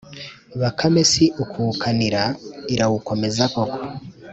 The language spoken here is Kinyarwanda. bakame si ukuwukanira irawukomeza koko.